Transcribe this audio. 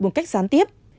bằng cách gián tiếp